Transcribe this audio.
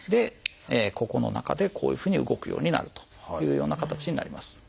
ここの中でこういうふうに動くようになるというような形になります。